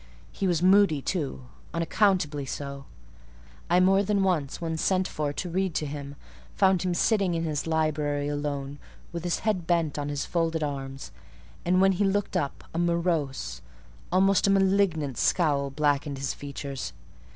He was moody, too; unaccountably so; I more than once, when sent for to read to him, found him sitting in his library alone, with his head bent on his folded arms; and, when he looked up, a morose, almost a malignant, scowl blackened his features.